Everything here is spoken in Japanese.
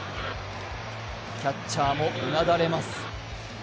キャッチャーもうなだれます。